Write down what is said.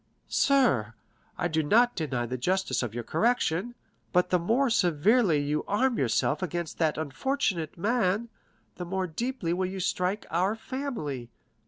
"Sir, I do not deny the justice of your correction, but the more severely you arm yourself against that unfortunate man, the more deeply will you strike our family.